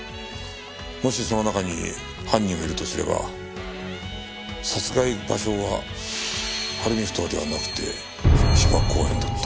もしその中に犯人がいるとすれば殺害場所は晴海ふ頭ではなくて芝公園だった。